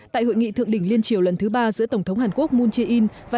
tại hội nghị thượng đỉnh liên triều lần thứ ba giữa tổng thống hàn quốc moon jae in và